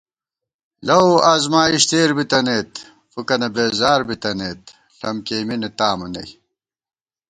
لَؤ ازمائیش تېر بِتَنَئیت، فُکَنہ بېزار بِتَنَئیت، ݪم کېئیمېنےتامہ نئ